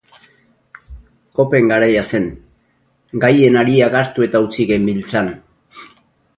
Kopen garaia zen, gaien hariak hartu eta utzi genbiltzan.